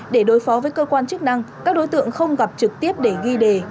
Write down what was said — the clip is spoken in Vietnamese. để đối phó với cơ quan chức năng các đối tượng không gặp trực tiếp để ghi đề